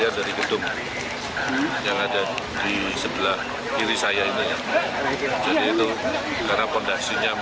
jadi itu karena fondasinya